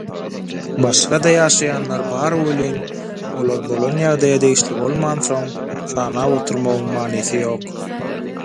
Başga-da ýaşaýanlar bar welin, olar bolan ýagdaýa degişli bolmansoň, sanap oturmagyň manysy ýok.